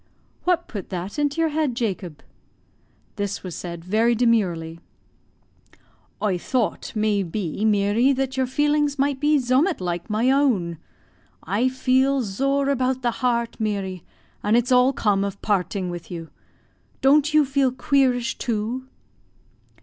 "What put that into your head, Jacob?" This was said very demurely. "Oie thowt, may be, Meary, that your feelings might be zummat loike my own. I feel zore about the heart, Meary, and it's all com' of parting with you. Don't you feel queerish, too?"